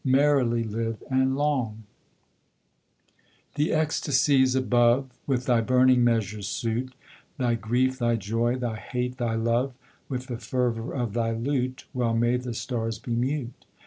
Merrily live, and long! [Illustration: Israfel] The ecstasies above With thy burning measures suit Thy grief, thy joy, thy hate, thy love, With the fervour of thy lute Well may the stars be mute!